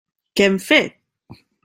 Què hem fet?